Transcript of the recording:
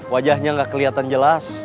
wajahnya gak keliatan jelas